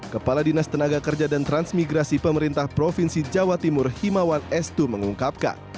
kepala dinas tenaga kerja dan transmigrasi pemerintah provinsi jawa timur himawan estu mengungkapkan